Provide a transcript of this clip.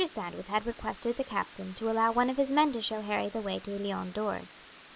Sandwith had requested the captain to allow one of his men to show Harry the way to the Lion door.